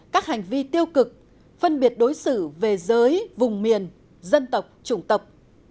các hành vi tiêu cực phân biệt đối xử về giới vùng miền dân tộc chủng tộc